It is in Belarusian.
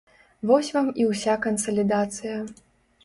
Вось вам і ўся кансалідацыя.